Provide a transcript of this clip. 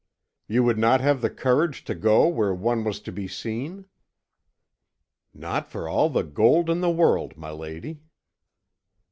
"You would not have the courage to go where one was to be seen?" "Not for all the gold in the world, my lady."